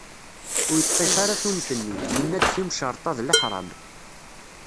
Ur yeṭṭif ara tunt-nni, yenna-d timecreṭ-a d leḥram.